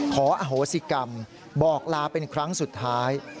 ขออโหสิกรรมบอกลาเป็นครั้งสุดท้าย